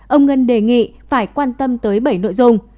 ông ngân đề nghị phải quan tâm tới bảy nội dung